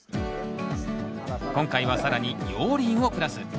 今回は更に熔リンをプラス。